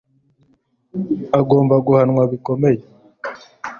agomba guhanwa bikomeye